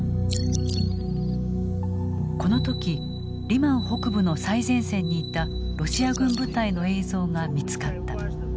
この時リマン北部の最前線にいたロシア軍部隊の映像が見つかった。